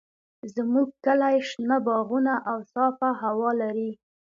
زموږ کلی شنه باغونه او صافه هوا لري.